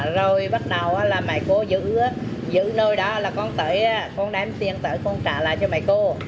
rồi bắt đầu là mẹ cô giữ nồi đó là con đem tiền tới con trả lại cho mẹ cô